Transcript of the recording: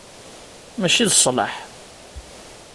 Mačči d sslaḥ.